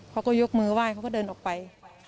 เขาก็ยกมือไหว้เขาก็เดินออกไป